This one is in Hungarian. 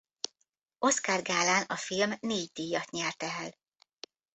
Oscar-gálán a film négy díjat nyert el.